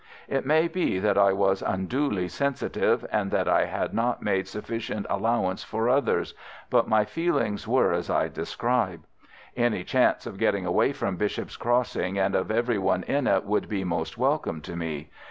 It may be that I was unduly sensitive, and that I had not made sufficient allowance for others, but my feelings were as I describe. Any chance of getting away from Bishop's Crossing and of everyone in it would be most welcome to me.